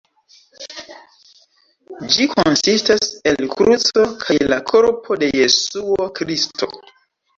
Ĝi konsistas el kruco kaj la korpo de Jesuo Kristo.